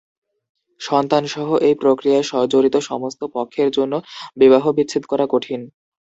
সন্তানসহ এই প্রক্রিয়ায় জড়িত সমস্ত পক্ষের জন্য বিবাহবিচ্ছেদ করা কঠিন।